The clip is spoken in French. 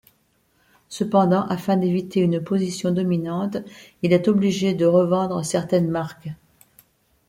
Cependant, afin d'éviter une position dominante, il est obligé de revendre certaines marques.